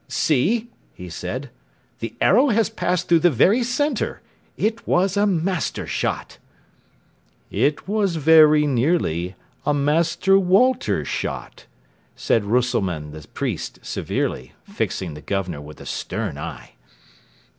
"See," he said, "the arrow has passed through the very centre. It was a master shot." "It was very nearly a 'Master Walter shot,'" said Rösselmann the priest severely, fixing the Governor with a stern eye.